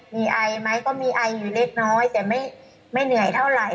มีไอไหมก็มีไออยู่เล็กน้อยแต่ไม่เหนื่อยเท่าไหร่